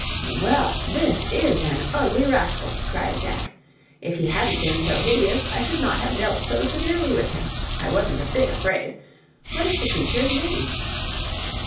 "Well, this is an ugly rascal!" cried Jack; "if he hadn't been so hideous, I should not have dealt so severely with him. I wasn't a bit afraid. What is the creature's name?"